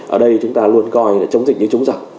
ở đây chúng ta luôn coi là chống dịch như chúng dặn